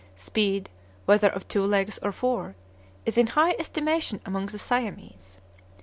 Speed, whether of two legs or four, is in high estimation among the Siamese.